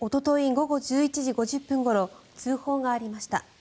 午後１１時５０分ごろ通報がありました。